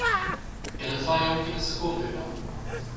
Ella fa ei aunc ina secunda gada.